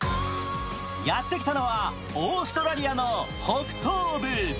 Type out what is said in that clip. やって来たのはオーストラリアの北東部。